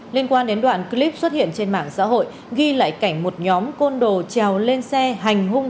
liên quan đến đoạn clip xuất hiện trên mạng xã hội ghi lại cảnh một nhóm côn đồ trèo lên xe hành hung